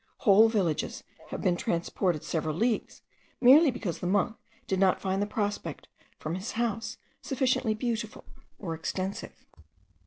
Whole villages have been transported several leagues, merely because the monk did not find the prospect from his house sufficiently beautiful or extensive.